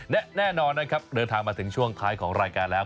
และแน่นอนนะครับเดินทางมาถึงช่วงท้ายของรายการแล้ว